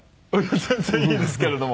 全然いいですけれども。